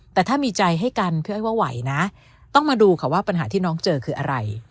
แต่ถ้ามีใจให้กันพี่อ้อยว่าไหวนะต้องมาดูค่ะว่าปัญหาที่น้องเจอคืออะไร